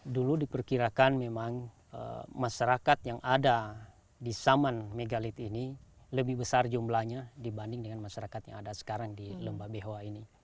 dulu diperkirakan memang masyarakat yang ada di saman megalit ini lebih besar jumlahnya dibanding dengan masyarakat yang ada sekarang di lembah behoa ini